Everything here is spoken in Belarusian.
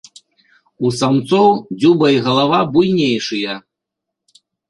У самцоў дзюба і галава буйнейшыя.